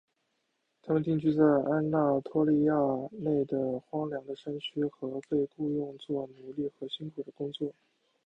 他们定居在安纳托利亚内的荒凉的山区和被雇用作奴仆和辛苦的工作。